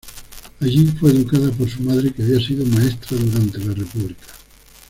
Allí fue educada por su madre que había sido maestra durante la República.